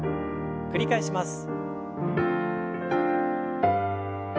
繰り返します。